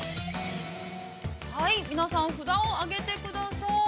◆はい、皆さん、札を上げてください。